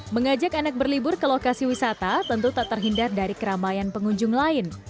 mengajak anak berlibur ke lokasi wisata tentu tak terhindar dari keramaian pengunjung lain